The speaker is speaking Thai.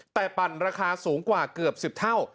แต่ปั่นราคาสูงกว่าเกือบ๑๐เท่า